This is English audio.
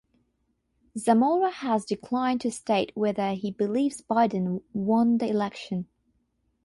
Zamora has declined to state whether he believes Biden won the election.